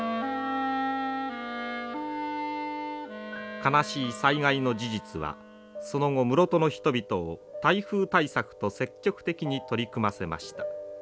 悲しい災害の事実はその後室戸の人々を台風対策と積極的に取り組ませました。